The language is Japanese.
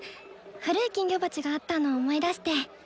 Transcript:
古い金魚鉢があったの思い出して。